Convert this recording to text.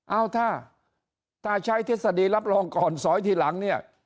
เอาถ้าใช้ทฤษฎีรับรองก่อนสอยทีหลังเนี่ย